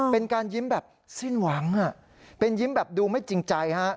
เป็นการยิ้มแบบสิ้นหวังเป็นยิ้มแบบดูไม่จริงใจฮะ